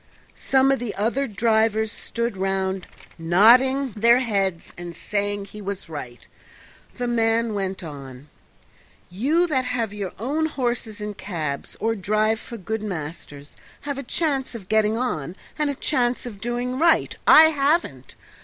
Some of the other drivers stood round nodding their heads and saying he was right. The man went on: "You that have your own horses and cabs, or drive for good masters, have a chance of getting on and a chance of doing right; I haven't.